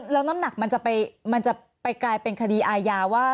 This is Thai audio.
แล้วน้ำหนักมันจะไปกลายเป็นคดีอาญาว่า